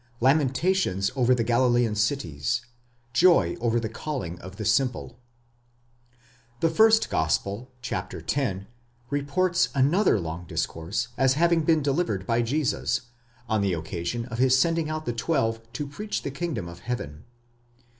LAMENTATIONS OVER THE GALILEAN CITIES, JOY OVER THE CALLING OF THE SIMPLE, The first gospel (x.) reports another long discourse as having been delivered: by Jesus, on the occasion of his sending out the twelve to preach the kingdom: of heaven.